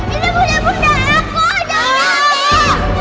ini bunuh bunuh darah aku